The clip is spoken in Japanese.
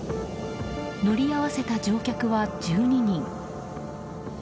乗り合わせた乗客は１２人。